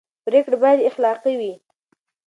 پرېکړې باید اخلاقي وي